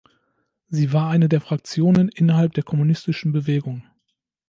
Sie war eine der Fraktionen innerhalb der kommunistischen Bewegung.